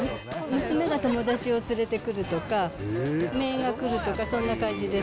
娘が友達が連れてくるとか、めいが来るとか、そんな感じです。